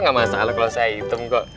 gak masalah kalau saya item kok